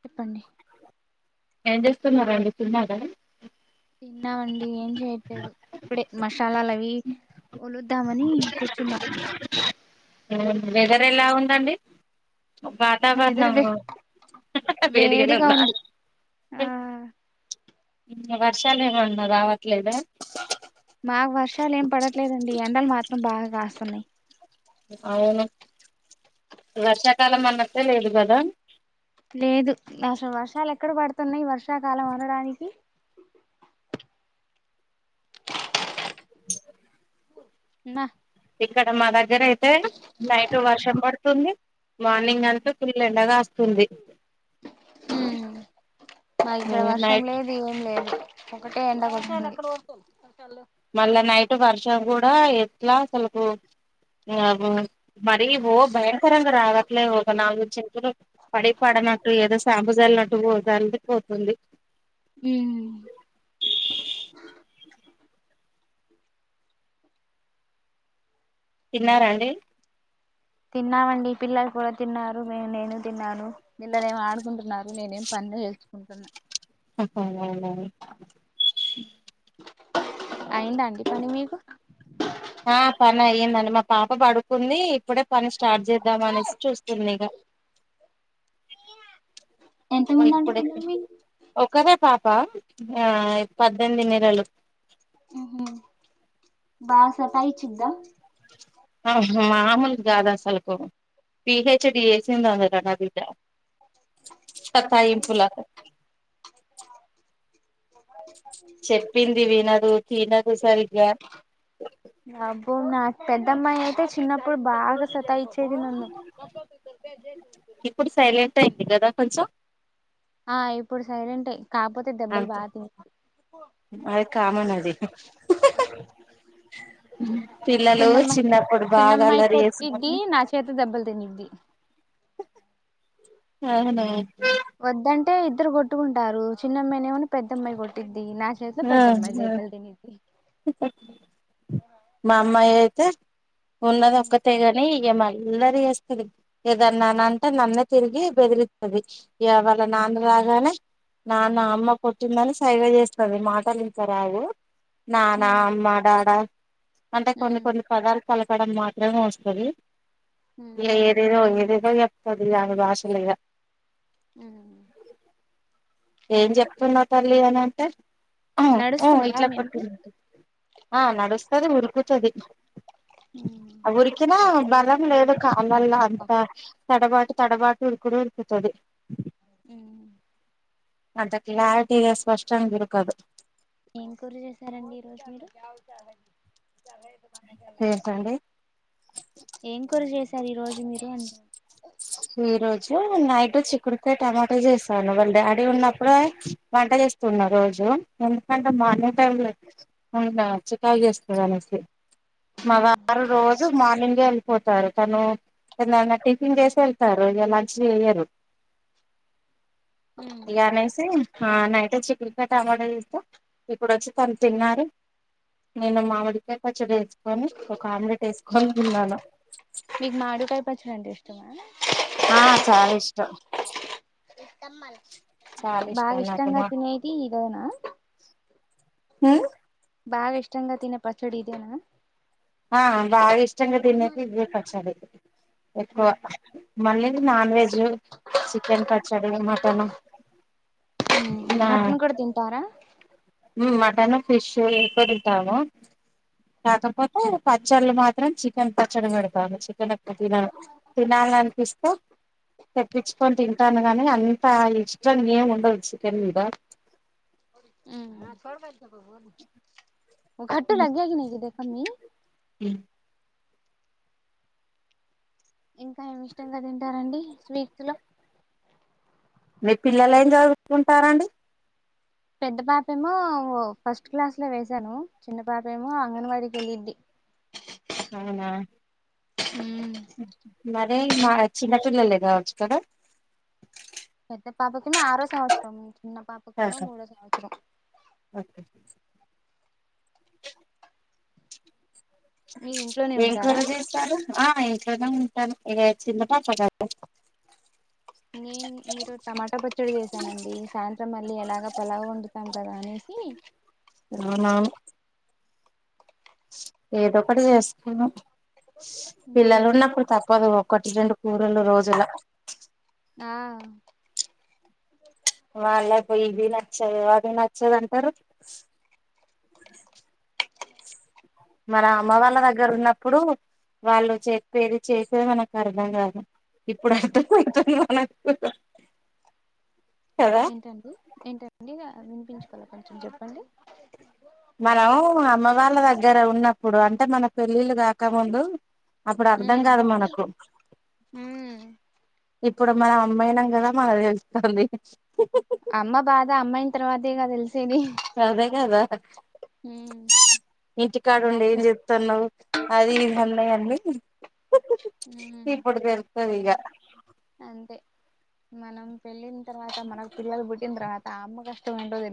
చెప్పండి ఏం చేస్తున్నరండి తిన్నారా తిన్నావండి ఏం చేయట్లేదు ఇప్పుడే మషాలాల అవి వలుద్దామనీ కూర్చున్నం వెదర్ ఎలా ఉందండి వెదర్ వాతావరణం వే హ. హ. హ వేడిగనే వేడిగా ఉందా ఉంది ఆ వర్షాలు ఏమన్నా రావట్లేదా మాకు వర్షాలు ఏం పడట్లేదండి ఎండలు మాత్రం బాగా కాస్తున్నయి అవును వర్షాకాలం అన్నట్టే లేదు కదా లేదు అసలు వర్షాలు ఎక్కడ పడుతున్నాయి వర్షాకాలం అనడానికి నా ఇక్కడ మా దగ్గర అయితే నైట్ వర్షం పడుతుంది మార్నింగ్ అంతా ఫుల్ ఎండగాస్తుంది ఉమ్ మాకు ఇక్కడ వర్షం నైట్ లేదు ఏం లేదు ఒకటే ఎండకొడుతుంది మళ్ళా నైట్ వర్షం కూడా ఎట్లా అసలుకు ఇంగ మరీ ఓ భయంకరంగా రావట్లే ఒక నాలుగు చినుకులు పడి పడనట్టు ఏదో సాంపు సలినట్టు సల్లి పోతుంది ఉమ్ తిన్నారాండి తిన్నామండి పిల్లలు కూడా తిన్నారు నేను తిన్నాను పిల్లలు ఏం ఆడుకుంటున్నారు నేనేం పని ఏేల్చుకుంటున్నా హా అనమరి అయిందా అండి పని మీకు ఆ పని అయిందియండి మకు పాప పడుకుంది ఇప్పుడే పని స్టార్ట్ చేద్దాం అనేసి చూస్తుంది ఇక ఎంతమంది అండి ఇప్పుడైతే పిల్లలు మీకు ఒకరే పా ప ఆ పద్దెనిమ్ది నెలలు మ్ హు బా సతఇచ్చిద్దా ఆ మామూలు గాదు అస్లకు పిహెచ్డి చేసింది అందులో నా బిడ్డ సతాయింపులా చెప్పింది వినదు తినదు సరిగ్గా అబ్బో నాకు పెద్దమ్మాయి అయితే చిన్నప్పుడు బాగా సతా ఇచ్చేది నన్ను ఇప్పుడు సైలెంట్ అయింది కదా కొంచెం ఆ ఇప్పుడు సైలెంటే కాకపోతే దెబ్బలు అంతే బాగా తింటది అది కామన్ అది పిల్లలు చిన్నమ్మాయి చిన్నప్పుడు బాగా చిన్నమ్మాయి అలరి కొట్టిద్ది చేసేవాళ్ళు నా చేత దెబ్బలు తినిద్ది అవున వద్దంటే ఇద్దరు కొట్టుకుంటారు చిన్నమ్మాయినేమోని పెద్ద అమ్మాయి కొట్టి ది నా చేతులో ఆ పెద్ద అమ్మాయి ఆ! దెబ్బల తినిద్ది మా అమ్మాయి అయితే ఉన్నది ఉమ్ ఒక్కతే కాని ఏమల్లరి చేేస్తది ఏదన్నాంటే నన్నే తిరిగి బెదిరిస్తది ఇగ వాళ్ళ నా నాన్న రాగానే నాన్న అమ్మ కొట్టిందని సైగా చేస్ తది మాటలింకా రావు నానా ఉమ్ అమ్మ డాడా అంటే కొన్ని కొన్ని పదాలు పలకడం మాత్రమే వస్తది ఉమ్ ఏ ఏదేదో ఏదేదో చెప్తది ఆమె భాషలో ఇగ హ్మ్ ఏం చెప్తున్నావ్ తల్లి అని అంటే ఓ ఓ నడుస్తుందా ఇట్లా మీ పట్ అమ్మాయి ఆ నడుస్తది ఉరుకుతది ఆ ఊరికినా బలం లేదు కాళ్ళల్లో ఓకే. అంతా తడపాటు తడపాటు ఉరుకుడు ఉరుకుతది మ్ అద క్లారిటీగా స్పష్టంగా ఉరకదు ఏం కూర చేసారండి ఈ రోజు మీరు ఏంటండి ఏం కూర జేశారు ఈ రోజు మీరు ఎందులో ఈరోజు నైట్ చిక్కుడుకాయ టమాటా చేసాను వాళ్ళ డాడీ ఉన్నప్పుడు వ ట చేస్తున్న రోజు ఎందుకంటే మార్నింగ్ టైమ్లో ఉన్న చికా చేస్తదనేసి మా వారూ రోజు మార్నింగే వెళ్ళిపోతారు తను తను ఎవన్న టిఫిన్ చేస్ ఎళ్తారు ఇగ లంచ్ జేయరు ఇగ అనేసి ఆ నైటు చికె ఇ టమట చేస్తా ఇప్పుడు వచ్చి తను తిన్నారు నేను మామిడికాయ పచ్చడి ఎసుకొని ఒక ఆమ్లెట్ వేసుకొని తిన్నాను మీకు మావిడికాయ పచ్చడి అంటే ఇష్టమా ఆ చాలా ఇష్టం చాలా బాగా ఇష్టం నాకు ఇష్టంగా తినేది ఇదేనా హ్మ్ బాగా ఇష్టంగా తినే పచ్చడి ఇదేనా ఆ బాగా ఇష్టంగా తినేది ఇదే పచ్చడి ఎక్కువ మళ్ళీ నాన్ వెజ్ చికెన్ పచ్చడి మటన్ హ్ మటన్ కూడా తింటారా మటను ఫిష్ ఎక్కవతింటాం కాకపోతే పచ్చళ్ళు మాత్రం చికెన్ పచ్చడి పెడతాను చికెన్ ఏప్పుడు తినాలి తినాలి అనిపిస్తే తెప్పించుకొని తింటాను గాని అంత ఇష్టం ఏం ఉండదు చికెన్ మీద హ్ కట్ట గ క న కద క మీ ఇంకా ఏమి ఇష్టంగా తింటారండి స్వీట్స్ లో మీ పిల్లలు ఏం చదువుకుంటారండి పెద్ద పాపేమో ఫస్ట్ క్లాస్ లో వేసాను చిన్న పాపేమో అంగన్వాడీకి వెళ్ళిద్ది అవునా మరి మా చిన్నపిల్లలే కావచ్చుకదా పేద్ద పాపకి ఆరో సంవత్సరం చిన్న పాపకేమో ఆహా మూడో సంవత్సరం ఓకే మీరు ఇంట్లోనే ఏం ఉంటారా కర్రీ చేస్తారు ఆ ఇ ఉంటది చిన్నపాప కదా నేను మీరు టమాటా పచ్చడి చేసానండి సాయంత్రం మళ్ళీ ఎలాగ పలావ్ వండుతాం కదా అనేసీ సి అవున ఏదొ ఒకటి చేసుకున్నం పిల్లలు ఉన్నప్పుడు తప్పదు ఒకటి రెండు కూరలు రోజుల ఆ వాళ్ళకు ఇది నచ్చదు ఆది నచ్చదు అంటారు మరీ అమ్మ వాళ్ళ దగ్గర ఉన్నప్పుడు వాళ్ళు చెప్పేది చేసేది మనకు అర్థం కాదు ఇప్పుడు అర్థమతున్నాది మానాకు ఏంటండి ఏంటండి వినిపించుకోలే కొంచెం చెప్పండి మనం అమ్మ వాళ్ళ దగ్గర ఉన్నప్పుడు అంటే మన పెళ్ళిళ్ళు కాకముందు అప్పుడు అర్ధం ఉమ్ కాదు మనకు ఉమ్ ఇప్పుడు మనం అమ్మా ఆయినాం కదా మనకు తెలుత్తంది. అమ్మ బాధ అమ్మాయిన తర్వాత కాద తెలిసేది ఉమ్ ఇంటి కాడ ఉండి ఏం బ్యాచలర్ చెత్తన్నవు అ అది ఇది అన్నయి అన్ని ఉమ్ ఇప్పుడు తేలుత్తాయి ఇగ అంతే మనం పెళ్ళిన తర్వాత మనకు పిల్లలు పుట్టిన తర్వాత ఆ అమ్మ కష్ట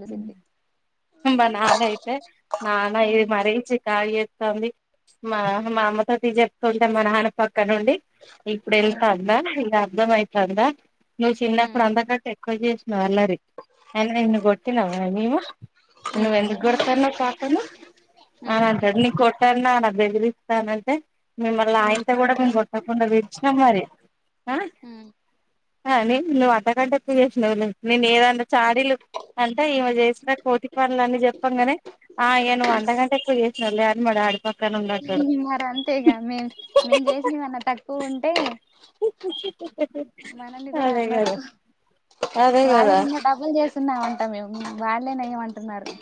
హ్ మా నాన్నయితే నన్నయి ఉమ్ మరీ చికగు చెత్త పంది మా అమ్మ తో టి చెప్తుంటే మా నాన్నపక్క నుండి ఇప్పుడు ఉమ్ వెళ్తాందా ఇగా అర్ధంమయితందా నువ్వు చిన్నప్పుడు ఉమ్ అంతకంట్టే ఎక్కువ చేసినవు ఆళ్ళరి ఐనా నిన్ను కొ ట్టినామా మేము నువ్వ ఉమ్ ఎందూకు కోడుత్తన్నావ్ పాపను అనీ ఉమ్ అంటాడు నీకు కొట్టాన్న నా బెదిరిస్తాన్న అంటె మిమ్మల్లి ఉమ్ ఆయంత కూడా మేము కొట్టకుండా పెంచినాం మరి ఉమ్ ఆ నే నువ్వు అంత కంటే ఎక్కవ చేసినవు నేను ఏదన్న చాడి లు చెప్పంగానే ఆ ఇగ నువ్వు అంత ఎక్కువ జేసినవ్ లే అని మా డాడీ పక్కన ఉన్నట్టోడు మరి అంతేగా మేం మేం చేసినవన్నా తక్కువ ఉంటే అదే కదా అదే వాళ్ళ కదా కకన్నా డబల్ చేస్తున్నామంటా మేము వాళ్ళే నెయ్యమంటున్నారు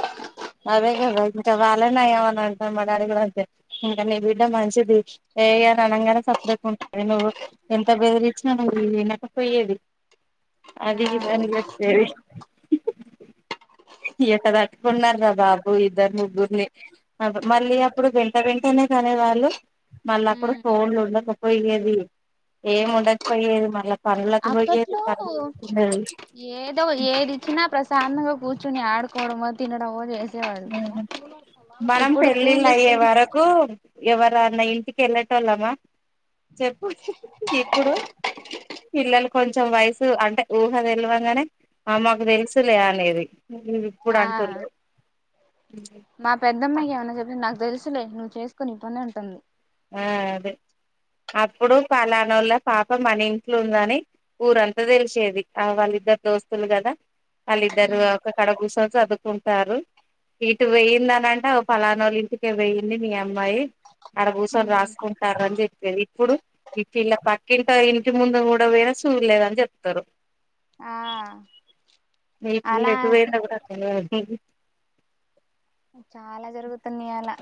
అదే కదా ఇంకా వాళ్ళనేయమని అంటారు మా డాడీ కూడ అంతే ఇంకా నీ బిడ్డ మంచిది ఏ కనంగానే చప్పద ఉంటుంది నువ్వు ఎంత బెదిరించినా నువ్వు వినకపోయేవి ఆ అదిగి నం వెరీ ఎట్టా తట్టుకున్నాక బాబు ఇద్దరు ముగ్గురిని మళ్ళీ అప్పుడు వెంట వెంటనే కానే వాళ్ళు మళ్ళ అక్కడ ఫోన్లు ఉండకపోయేది ఏం ఉండకపోయేది మళ్ళా పనులకు పోయేది అప్పట్లో పనులు చేసుకునేది ఏదో ఏది ఇచ్చినా ప్రశ్ సన్నగా కూర్చుని ఆడుకోవడమో తినడమో చేస్తా మనం పెళ్ళిళ్ళు ఫోన్లు అయ్యే ఇస్తేనే వరకు ఎవరన్నా ఇంటికి వెల్లేటోళ్ళమ చెప్పు ఇప్పుడు పిల్లలు కొంచెం వయసు అంటే ఊహ తెలివంగానే అ మాకు తెలుసులే అనేది ఉ నువ్వు ఇప్పుడు ఆ అంటుంలు మా పెద్దమ్మాయికి ఏమన్నా చెప్పి నాకు తెలుసులే నువ్వు చేసుకు నీ పని అంటది ఆ అదే అప్పుడు పలానోళ్ళ పాప మన ఇంట్లో ఉందని ఊరంతా తెలిసేది ఆ వాళ ఇద్దరు దోస్తులు కదా వాళ్ళ ఇద్దరు ఒక కడకూర్చొని చదువుకుంటారు ఇటు వెయ్యిందని అంటే ఫలానోల్ల ఇంటికే పోయింది మీ అమ్మాయి అడ రాసుకుంటారు అని జేప్ ఇప్పుడు ఇట్ల ఇలా పక్కింట ఇంటి ముందు కూడా పోయిన చూడలేదని చెప్తారు [inaudible] ఆ ఈ పిల్ల అలా ఎటు పోయిందో కూడా తెలువది చాలా జరుగుతున్నాయి అలా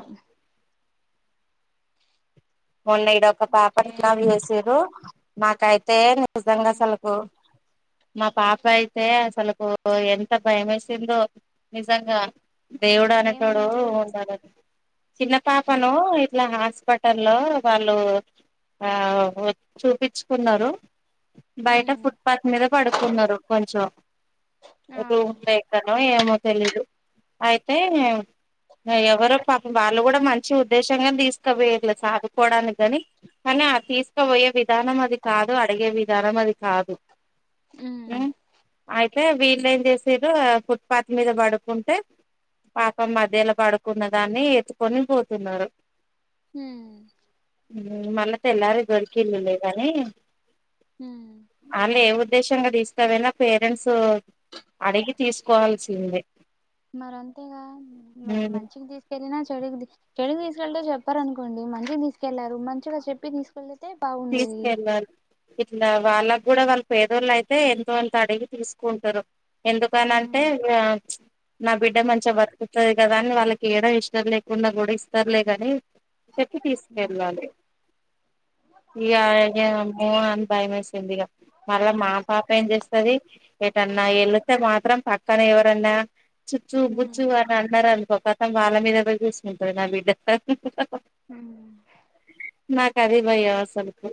మొన్న ఇడ ఒక పాప జాయిన్ చేసారు మాకైతే నిజంగా అసలుకు [inaudible] మా పాప అయితే అసలుకు ఎంత భయం వేసిందో నిజంగా దేవుడు అనేటోడు ఏమైంది ఉండాలి చిన్న పాపను ఇట్లా హాస్పిటల్ లో వాళ్ళు ఆ చూపించుకున్నారు బయట పుట్పాత్ మీద పడుకున్నారు కొంచెం ఆ రూమ్ లేకనో ఏమో తెలీదు అయితే ఎవరో పాపం వాళ్ళు కూడా మంచి ఉద్దేశంగా తీసుకువోయెళ్లు సాదుకోవడానికి కాని కానీ అ తీసుకుపోయే విధానం అది కాదు అడిగే విధానం అది కాదు ఆ ఉమ్ అయితే వీళ్ళ ఏం చేసిరు ఫుట్పాత్ మీద పడుకుంటే పాపం మధ్యలా పడుకున్న దాన్ని ఎత్తుకొని పోతున్నారు ఉ మళ్ళా తెల్లారి దొరికిల్లులే కని వాళ్ళ ఏవుర్ ఉద్దేశంగా తీస్కపోయినా పేరెంట్స్ అడిగి తీసుకోవాల్సిందీ మరి అంతేగా మరి మంచికి తీసుకెళ్ళిన చెడుకి చెడుకి తీసుకెళ్తే చెప్పారనుకోండి మంచిగా తీసుకెళ్లారు మంచిగా చెప్పి తీసుకెళ్తే బాగుండేది తీసుకెళ్లాలి ఆ వాళ్ళకు కూడా వాళ్ళు పేదోళ్ళు అయితే ఎంతో అంత అడిగి తీసుకుంటారు ఎందుకని అంటే ఇక నా బిడ్డ మంచిగా బతుకుతాది గాదా అని వాళ్ళకి ఇయ్యడం ఇష్టం లేకుండా కూడా ఇస్తారులే కాని చెప్పి తీసుకెళ్ళాలి ఇగా నేను [unintelligible] భయం ఏస్తుంది ఇగ మళ్ళ మా పాప ఏం జేస్తది ఏటన్నా వెళతే మాత్రం పక్కన ఎవరన్నా చుచ్చు బుచ్చు అని అన్నారన్ కో ఖతం వాళ్ళ మీద నే కూసుంటాది నా బిడ్డ హు నాకు అది భయం అసలుకు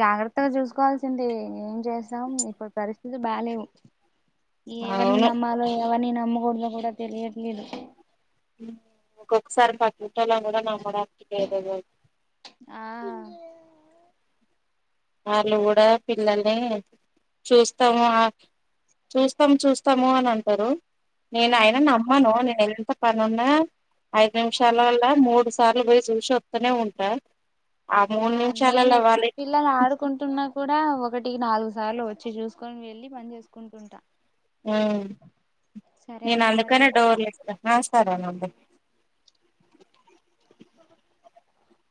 జాగ్రత్తగా చూసుకోవాల్సింది. ఏం చేస్తాం ఇప్పుడు పరిస్థితులు బాలేవు [inaudible] ఎవరిని అవును నమ్మాలో ఎవరిని నమ్మకూడదో కూడా తెలియట్లేదు ఒక్కొక్కసారి పక్కింట్టోళ్ళను కూడా నమ్మడానికి లేదు ఆ వాళ్ళు కూడా పిల్లల్ని చేస్తాము ఆ చూస్తాము చూస్తాము అని అంటారు నేను ఆయన నమ్మను నేను ఎంత పనున్న ఐదు నిమిషాలల్ల మూడు సార్లు పోయి చూసి ఒత్తనే ఉంటా ఆ మూడు నిమిషాలలో వాళ్ళ [unintelligible] ఆడుకుంటున్నా కూడా ఒకటికి నాలుగు సార్లు వచ్చి చూసుకొని వెళ్ళి పని చేసుకుంటుంటా ఉ సరే నేను అండి మరి అందుకనే ఉం డోర్లేస్త ఆ సరేనండి [inaudible]